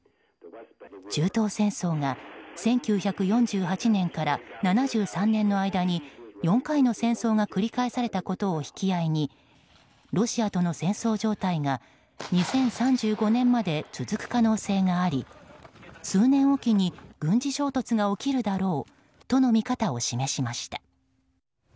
中東戦争が１９４８年から７３年の間に４回の戦争が繰り返されたことを引き合いにロシアとの戦争状態が２０３５年まで続く可能性があり数年おきに軍事衝突が起きるだろうとの見方を示しました。